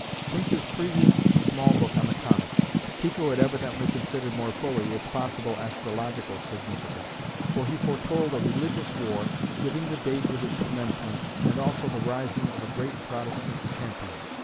Since his previous small book on the comet, Tycho had evidently considered more fully its possible astrological significance, for he foretold a religious war, giving the date of its commencement, and also the rising of a great Protestant champion.